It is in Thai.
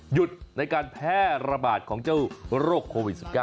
หยุดในการแพร่ระบาดของเจ้าโรคโควิด๑๙